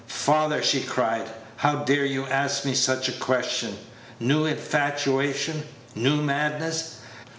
"Father," she cried, "how dare you ask me such a question? New infatuation! New madness!